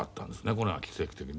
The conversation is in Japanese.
これが奇跡的に。